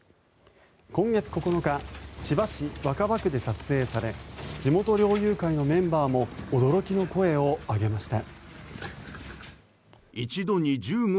今月９日千葉市若葉区で撮影され地元猟友会のメンバーも驚きの声を上げました。